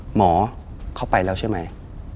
หมอเข้าไปแล้วใช่ไหม